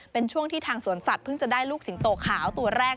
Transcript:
เป็นช่วงที่ทางสวนสัตว์เพิ่งจะได้ลูกสิงโตขาวตัวแรก